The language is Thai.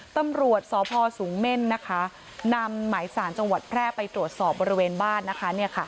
ตำรวจสศูนย์เม่นนำหมายสารจังหวัดแพร่ไปตรวจสอบบริเวณบ้าน